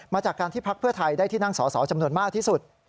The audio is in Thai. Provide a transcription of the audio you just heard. จากการที่พักเพื่อไทยได้ที่นั่งสอสอจำนวนมากที่สุด